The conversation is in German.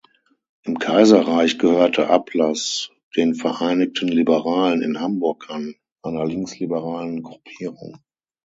Im Kaiserreich gehörte Ablass den "Vereinigten Liberalen" in Hamburg an, einer linksliberalen Gruppierung.